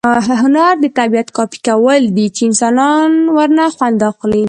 هنر د طبیعت کاپي کول دي، چي انسانان ورنه خوند واخلي.